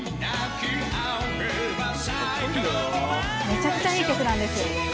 めちゃくちゃいい曲なんですよ。